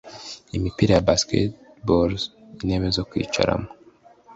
imipira ya “basketballs”, intebe zo kwicaraho